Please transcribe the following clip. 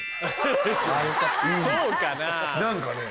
そうかな？